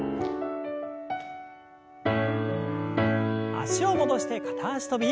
脚を戻して片脚跳び。